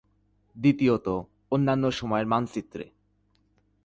দ্বিতীয়ত, অন্যান্য সময়ের মানচিত্রে।